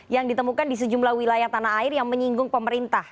yang ditemukan di sejumlah wilayah tanah air yang menyinggung pemerintah